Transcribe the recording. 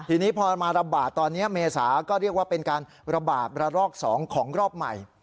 ทีนี้พอมาระบาดตอนนี้เมษาก็เรียกว่าเป็นการระบาดระลอก๒ของรอบใหม่